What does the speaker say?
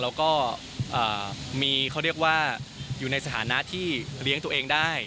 แล้วก็มีเขาเรียกว่าอยู่ในสถานะที่เลี้ยงตัวเองได้